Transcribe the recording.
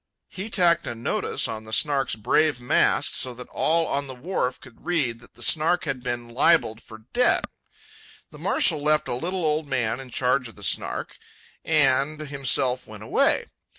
He tacked a notice on the Snark's brave mast so that all on the wharf could read that the Snark had been libelled for debt. The marshal left a little old man in charge of the Snark, and himself went away.